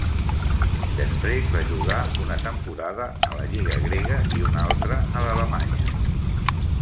Després va jugar una temporada a la lliga grega i una altra a l'alemanya.